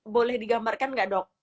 boleh digambarkan gak dok